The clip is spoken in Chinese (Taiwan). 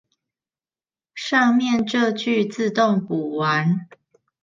上面這句自動補完